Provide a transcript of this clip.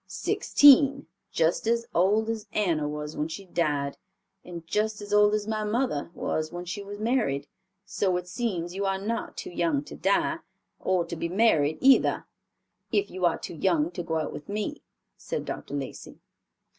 "Sixteen; just as old as Anna was when she died, and just as old as my mother was when she was married; so it seems you are not too young to die, or to be married either, if you are too young to go out with me," said Dr. Lacey.